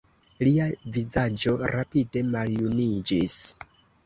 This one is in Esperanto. Lia vizaĝo rapide maljuniĝis.